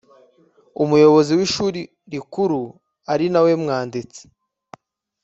Umuyobozi w Ishuri Rikuru ari nawe mwanditsi